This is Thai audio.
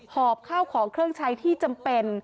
หอบข้าวของเครื่องใช้ที่จำเป็น